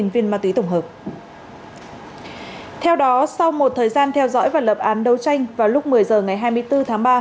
một mươi hai viên ma túy tổng hợp theo đó sau một thời gian theo dõi và lập án đấu tranh vào lúc một mươi h ngày hai mươi bốn tháng ba